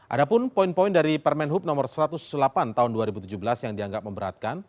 ada pun poin poin dari permen hub no satu ratus delapan tahun dua ribu tujuh belas yang dianggap memberatkan